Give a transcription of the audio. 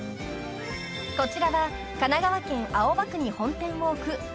［こちらは神奈川県青葉区に本店を置く］